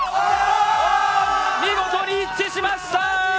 見事に一致しました！